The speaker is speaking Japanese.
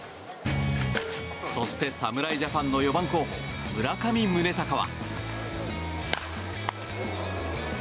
そして、侍ジャパンの４番候補村上宗隆は。